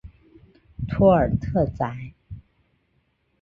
托尔特宰。